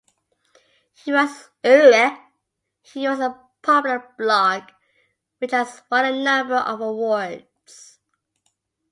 He writes a popular blog, which has won a number of awards.